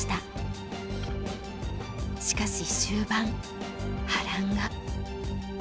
しかし終盤波乱が。